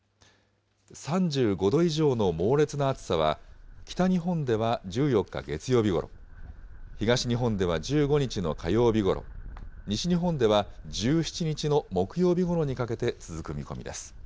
３５度以上の猛烈な暑さは、北日本では１４日月曜日ごろ、東日本では１５日の火曜日ごろ、西日本では１７日の木曜日ごろにかけて続く見込みです。